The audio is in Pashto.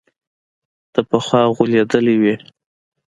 ته پخوا غولېدلى وي.